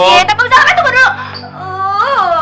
ya tetep di dalam ya tunggu dulu